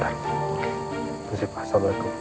terima kasih pak assalamualaikum